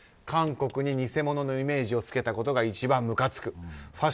韓国に偽物のイメージを付けたことが一番むかつく。